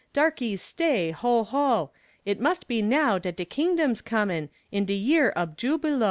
Darkies stay, ho, ho! It must be now dat de kingdom's cumin In de year ob jubilo.